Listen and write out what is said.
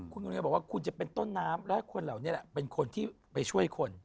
คุณบอกว่าคุณจะเป็นต้นน้ำและคนเหล่านี้เป็นคนที่ไปช่วยคน